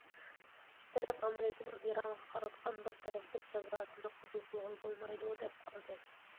ئىككى تەرەپ ئامېرىكىنىڭ ئىرانغا قاراتقان بىر تەرەپلىك جازاسىنى قوبۇل قىلغىلى بولمايدۇ، دەپ قارىدى.